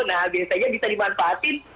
nah biasanya bisa dimanfaatin